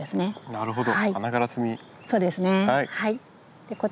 なるほど。